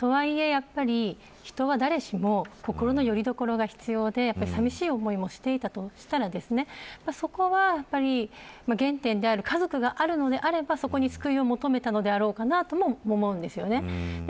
だけれども、とはいえ人は誰しも心のよりどころが必要で寂しい思いもしていたとしたらそこは原点である家族があるのであれば、そこに救いを求めたのだろうかなとも思うんです。